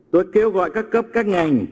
tôi kêu gọi các cấp các ngành